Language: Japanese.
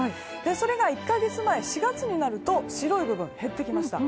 それが１か月前４月になると白い部分が減ってきました。